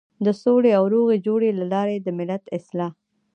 د سولې او روغې جوړې له لارې د ملت اصلاح.